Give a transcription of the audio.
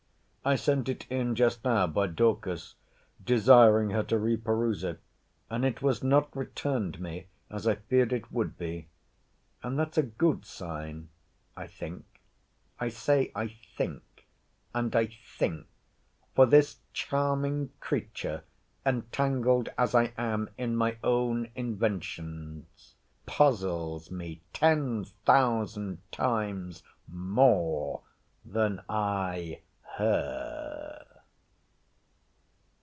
I sent it in just now by Dorcas, desiring her to re peruse it. And it was not returned me, as I feared it would be. And that's a good sign, I think. I say I think, and I think; for this charming creature, entangled as I am in my own inventions, puzzles me ten thousand times more than I her.